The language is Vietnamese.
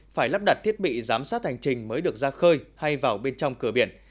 phải lắp đặt thiết bị giám sát hành trình mới được ra khơi hay vào bên trong cửa biển